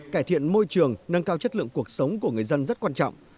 cải thiện môi trường nâng cao chất lượng cuộc sống của người dân rất quan trọng